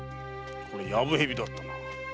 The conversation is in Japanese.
やぶ蛇だったかな。